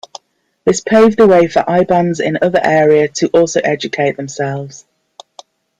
This paved the way for Ibans in other areas to also educate themselves.